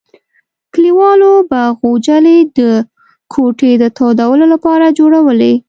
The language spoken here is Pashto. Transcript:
کلیوالو به غوجلې د کوټې د تودولو لپاره جوړولې.